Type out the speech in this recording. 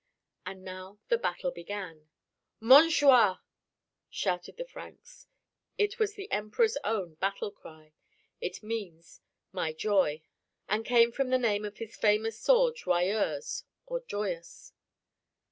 And now the battle began. "Montjoie!" shouted the Franks. It was the Emperor's own battle cry. It means "My joy," and came from the name of his famous sword Joyeuse or joyous.